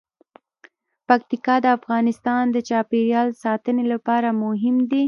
پکتیکا د افغانستان د چاپیریال ساتنې لپاره مهم دي.